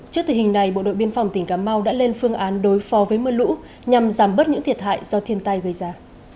trước tình hình này bộ đội biên phòng tỉnh cà mau đã lên phương án đối phó với mưa lũ nhằm giảm bớt những thiệt hại do thiên tai gây ra